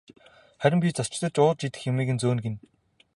Харин би зочдод ууж идэх юмыг нь зөөнө гэнэ.